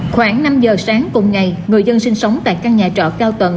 khoảng năm giờ sáng cùng ngày người dân sinh sống tại căn nhà trọ cao tầng